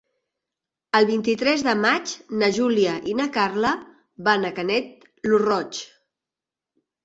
El vint-i-tres de maig na Júlia i na Carla van a Canet lo Roig.